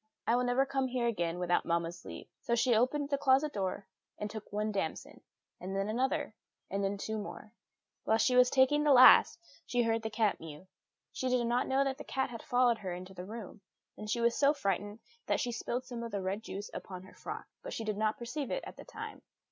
I will never come here again without mamma's leave." So she opened the closet door and took one damson, and then another, and then two more. Whilst she was taking the last, she heard the cat mew. She did not know that the cat had followed her into the room; and she was so frightened that she spilled some of the red juice upon her frock, but she did not perceive it at the time.